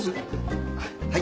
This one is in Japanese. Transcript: はい。